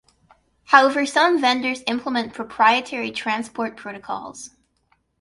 However, some vendors implement proprietary transport protocols.